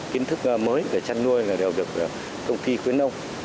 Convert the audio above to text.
kiến thức mới về chăn nuôi đều được công ty khuyến nông